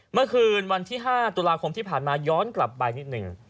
เมื่อคืนวันที่๕ตุลาคมที่ผ่านมาย้อนกลับไปนิดหนึ่ง